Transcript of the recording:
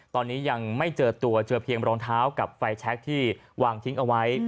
ตอนนี้ยังไม่เจอตัวเจอเพียงรองเท้ากับไฟแชคที่วางทิ้งเอาไว้